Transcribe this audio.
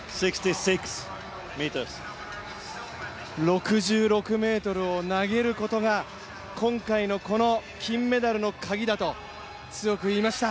６６ｍを投げることが今回の金メダルのカギだと強く言いました。